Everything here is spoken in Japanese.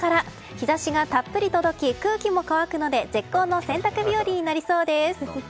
日差しがたっぷり届き空気も乾くので絶好の洗濯日和になりそうです。